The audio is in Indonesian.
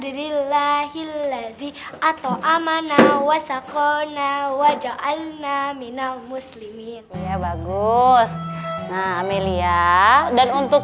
dirilahilazim atau amanah wa shakona wajah al naaminal muslimin ya bagus amelia dan untuk